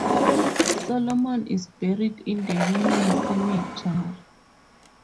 Solomon is buried in the Union cemetery.